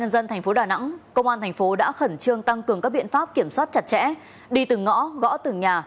dân thành phố đà nẵng công an thành phố đã khẩn trương tăng cường các biện pháp kiểm soát chặt chẽ đi từng ngõ gõ từng nhà